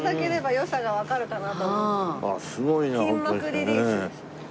筋膜リリースです。